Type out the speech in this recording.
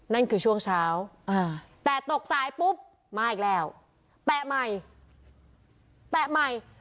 นั่นคือช่วงเช้าแต่ตกสายปุ๊บมาอีกแล้วแปะใหม่แปะใหม่